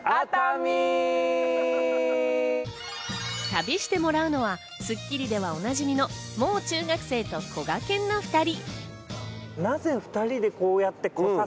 旅してもらうのは『スッキリ』ではおなじみのもう中学生と、こがけんの２人。